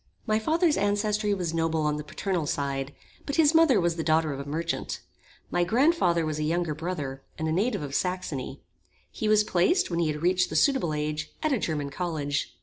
My father's ancestry was noble on the paternal side; but his mother was the daughter of a merchant. My grand father was a younger brother, and a native of Saxony. He was placed, when he had reached the suitable age, at a German college.